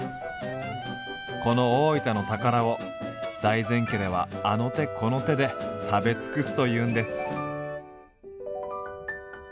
この大分の宝を財前家ではあの手この手で食べ尽くすというんです。